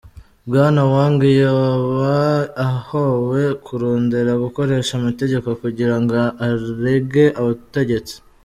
Bwana Wang yoba ahowe kurondera gukoresha amategeko kugira ngo arege ubutegetsi.